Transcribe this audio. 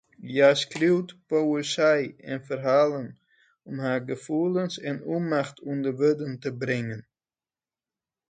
Hja skriuwt poëzy en ferhalen om har gefoelens fan ûnmacht ûnder wurden te bringen.